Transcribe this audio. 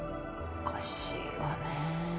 おかしいわね。